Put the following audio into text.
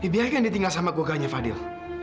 biarin ditinggal sama keluarganya fadil